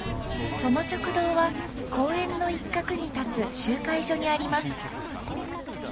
その食堂は公園の一角に建つ集会所にあります。